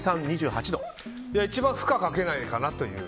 一番負荷かけないかなという。